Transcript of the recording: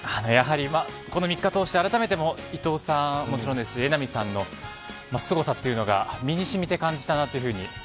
やはり、この３日を通して改めて、伊藤さんはもちろん榎並さんのすごさというのが身にしみて感じたなというふうに。